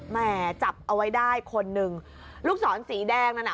แม่จับเอาไว้ได้คนหนึ่งลูกศรสีแดงนั่นน่ะ